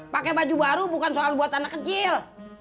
pakai baju baru bukan soal buat anak kecil